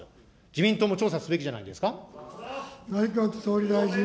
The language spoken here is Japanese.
自民党も調査すべきじゃないですか。